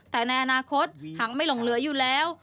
แต่ในอนาคตหากไม่หลงเหลืออยู่แล้ว